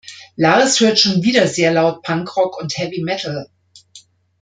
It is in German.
Lars hört schon wieder sehr laut Punk-Rock und Heavy-Metal.